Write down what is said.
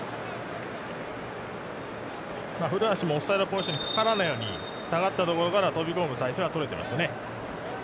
古橋もオフサイドポジションにかからないように下がったところから飛び込んだ体勢はとれていましたね。